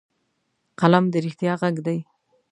قلم د رښتیا غږ دی